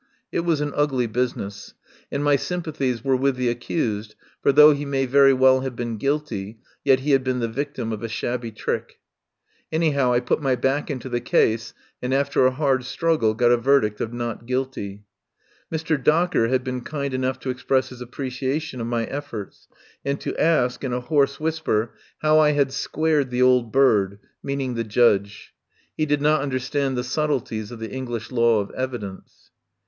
It was an ugly business, and my sympathies were with the accused, for though he may very well have been guilty, yet he had been the victim of a shabby trick. Anyhow, I put my back into the case, and after a hard struggle 142 RESTAURANT IN ANTIOCH STREET got a verdict of "Not guilty." Mr. Docker had been kind enough to express his apprecia tion of my efforts, and to ask, in a hoarse whis per, how I had "squared the old bird," mean ing the Judge. He did not understand the subtleties of the English law of evidence.